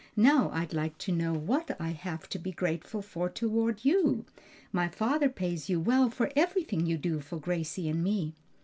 Now I'd like to know what I have to be grateful for toward you? My father pays you well for everything you do for Gracie and me."